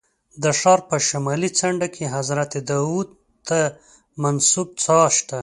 د ښار په شمالي څنډه کې حضرت داود ته منسوب څاه شته.